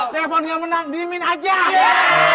telepon gak menang diimin aja